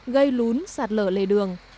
gây lún sạt lở lề đường